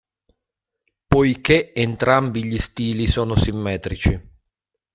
Poiché entrambi gli stili sono simmetrici.